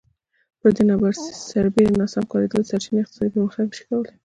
پر دې سربېره ناسم کارېدلې سرچینې اقتصادي پرمختګ نه شي کولای